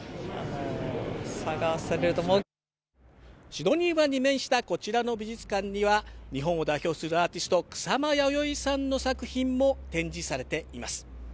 シドニー湾に面したこちらの美術館には日本を代表するアーティスト・草間彌生さんの作品も展示されています。